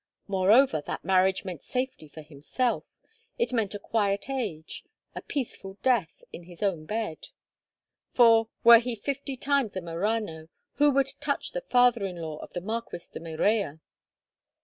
Moreover, that marriage meant safety for himself; it meant a quiet age, a peaceable death in his own bed—for, were he fifty times a Marano, who would touch the father in law of the Marquis de Morella?